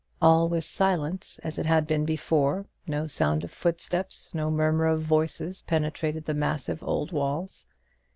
All was silent as it had been before. No sound of footsteps, no murmur of voices, penetrated the massive old walls.